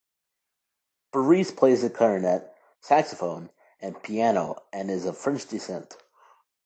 Berresse plays the clarinet, saxophone and piano and is of French descent.